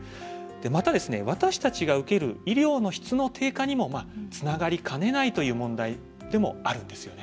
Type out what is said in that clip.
また、私たちが受ける医療の質の低下にもつながりかねないという問題でもあるんですよね。